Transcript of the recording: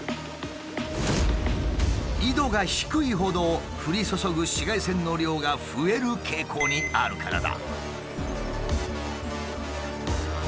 緯度が低いほど降り注ぐ紫外線の量が増える傾向にあるからだ。